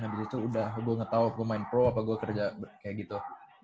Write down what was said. habis itu udah gua tau gua main pro apa gua kerja kayak gitu